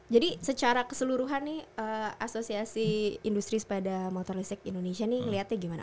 jadi secara keseluruhan nih asosiasi industri sepeda motor listrik indonesia nih ngelihatnya gimana